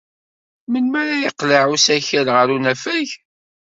Melmi ara yeqleɛ usakal ɣer unafag?